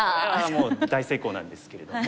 もう大成功なんですけれども。